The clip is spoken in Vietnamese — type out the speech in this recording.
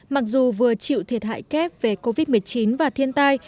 mặc dù vừa chịu thiệt hại kép về covid một mươi chín và thiên tai